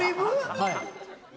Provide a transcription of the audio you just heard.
はい。